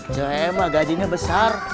jema gajinya besar